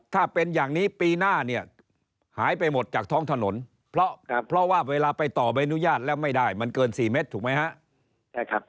ถ้าเป็นอย่างนี้ปีหน้าเนี่ยหายไปหมดจากท้องถนนเพราะว่าเวลาไปต่อใบอนุญาตแล้วไม่ได้มันเกิน๔เมตรถูกไหมฮะ